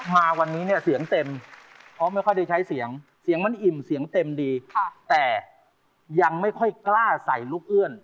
มันอิ่มเสียงเต็มดีแต่ยังไม่ค่อยกล้าใส่ลูกเอื้อน